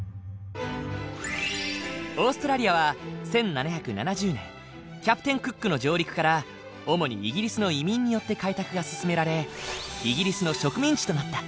オーストラリアは１７７０年キャプテン・クックの上陸から主にイギリスの移民によって開拓が進められイギリスの植民地となった。